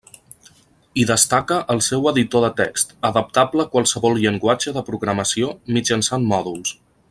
Hi destaca el seu editor de text, adaptable a qualsevol llenguatge de programació mitjançant mòduls.